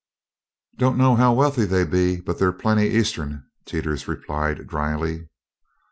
"Don't know how wealthy they be, but they're plenty eastern," Teeters replied dryly.